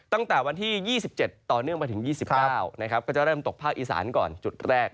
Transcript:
ตั้งแต่วันที่๒๗ต่อเนื่องไปถึง๒๙ก็จะเริ่มตกภาคอีสานก่อนจุดแรก